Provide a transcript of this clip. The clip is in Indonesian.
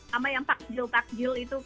sama yang takjil takjil itu